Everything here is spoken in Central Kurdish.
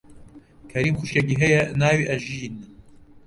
کەریم خوشکێکی هەیە بە ناوی ئەژین.